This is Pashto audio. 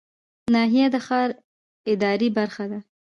ناحیه د ښار اداري برخه ده